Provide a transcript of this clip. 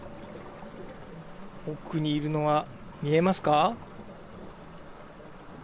奥にいるのが見えますか。